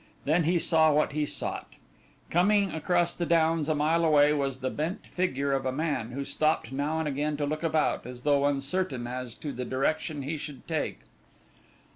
Then he saw what he sought. Coming across the downs a mile away was the bent figure of a man who stopped now and again to look about, as though uncertain as to the direction he should take.